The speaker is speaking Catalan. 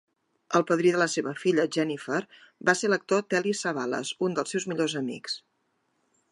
El padrí de la seva filla, Jennifer, va ser l'actor Telly Savalas, un dels seus millors amics.